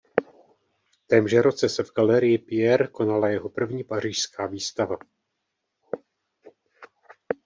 V témže roce se v Galerii Pierre konala jeho první pařížská výstava.